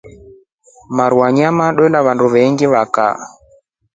Maruu ya nyama twela wandu vengi va kaa.